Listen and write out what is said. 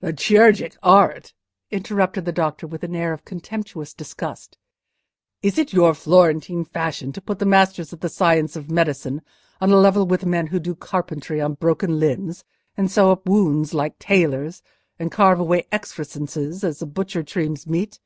"The chirurgic art!" interrupted the doctor, with an air of contemptuous disgust. "Is it your Florentine fashion to put the masters of the science of medicine on a level with men who do carpentry on broken limbs, and sew up wounds like tailors, and carve away excrescences as a butcher trims meat?